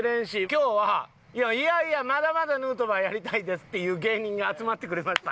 今日はいやいやまだまだヌートバーやりたいですっていう芸人が集まってくれました。